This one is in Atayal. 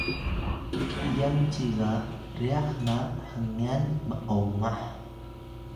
piyang ci ga ryax na hngyan m’omah